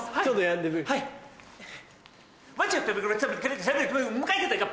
ちょっとやって。